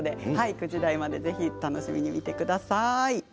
９時台までぜひお楽しみください。